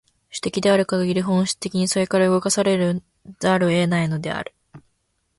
種的であるかぎり、本質的にそれから動かされざるを得ないのである。